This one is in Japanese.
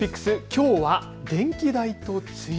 きょうは電気代と梅雨。